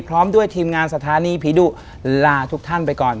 พร้อมด้วยทีมงานสถานีผีดุลาทุกท่านไปก่อน